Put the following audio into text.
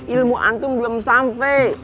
ilmu antum belum sampai